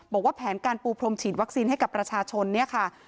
บอกว่าแผนการปูพรมฉีดวัคซีนให้กับประชาชนเนี่ยค่ะ